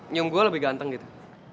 nyung gue lebih ganteng gitu